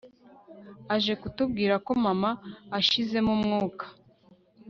aje kutubwira ko mama ashizemo umwuka